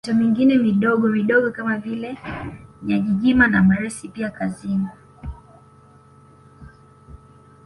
Mito mingine midogomidogo kama vile Nyajijima na Mresi pia Kazingu